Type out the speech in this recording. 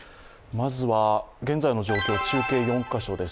まずは現在の状況、中継４か所です。